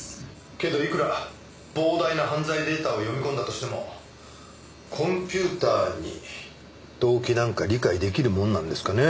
けどいくら膨大な犯罪データを読み込んだとしてもコンピューターに動機なんか理解出来るものなんですかね？